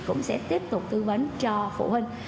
cũng sẽ tiếp tục tư vấn cho phụ huynh